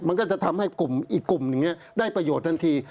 มันก็จะทำให้กลุ่มอีกกลุ่มหนึ่งได้ประโยชน์ทันที